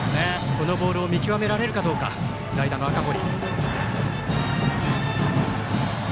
このボールを見極められるか、代打の赤堀。